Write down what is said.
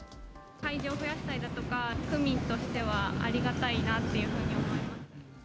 会場増やしたりだとか、区民としてはありがたいなっていうふうに思います。